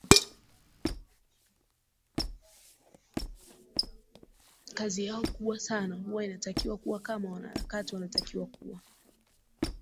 kazi yao kubwa sana huwa inatakiwa kuwa kama mwanaharakati wanatakiwa kuwa